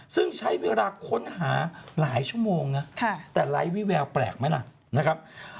ซึ่งใช้เวลาค้นหาหลายชั่วโมงนะแต่ไร้วิแววแปลกไหมล่ะนะครับ